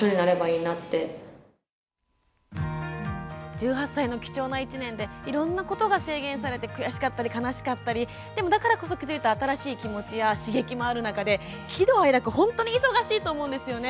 １８ 歳の貴重な１年でいろいろなことが制限されて悔しかったり悲しかったりでも、だからこそ気付いた新しい気持ちや刺激もあって本当に喜怒哀楽忙しかったと思うんですね。